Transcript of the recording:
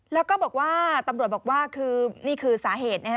แล้วก็บอกว่าตำรวจบอกว่าคือนี่คือสาเหตุ